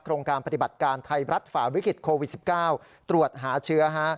โครงการปฏิบัติการไทยรัฐฝ่าวิกฤตโควิด๑๙ตรวจหาเชื้อ